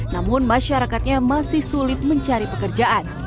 namun masyarakatnya masih sulit mencari pekerjaan